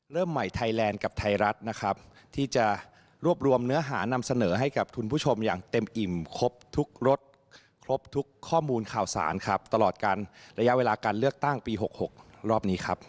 เริ่มใหม่ไทยแลนด์กับไทยรัฐนะครับที่จะรวบรวมเนื้อหานำเสนอให้กับคุณผู้ชมอย่างเต็มอิ่มครบทุกรถครบทุกข้อมูลข่าวสารครับตลอดกันระยะเวลาการเลือกตั้งปี๖๖รอบนี้ครับ